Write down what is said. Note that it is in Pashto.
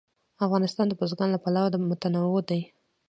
افغانستان د بزګان له پلوه متنوع دی.